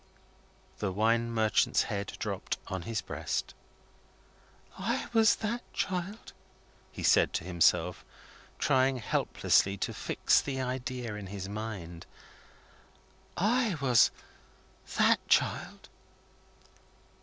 The wine merchant's head dropped on his breast. "I was that child!" he said to himself, trying helplessly to fix the idea in his mind. "I was that child!"